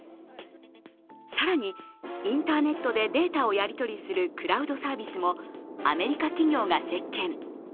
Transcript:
更に、インターネットでデータをやり取りするクラウドサービスも、アメリカ企業が席巻。